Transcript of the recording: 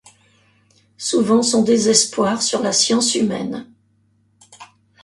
Souvent son désespoir sur la science humaine